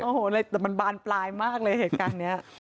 โอ้โหอะไรแต่มันบานปลายมากเลยเหตุการณ์นี้